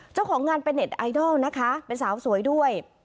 เจ้าของงานเป็นเน็ตไอดอลนะคะเป็นสาวสวยด้วย